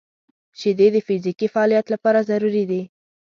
• شیدې د فزیکي فعالیت لپاره ضروري دي.